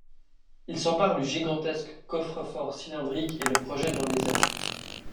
Il s’empare du gigantesque coffre-fort cylindrique et le projette dans les airs.